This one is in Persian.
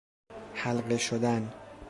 حلقه شدن